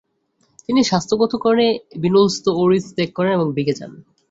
তিনি স্বাস্থ্যগত কারণে ভিনোলস দ'ওরিস ত্যাগ করেন এবং ভিকে যান।